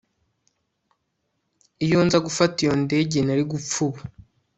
Iyo nza gufata iyo ndege nari gupfa ubu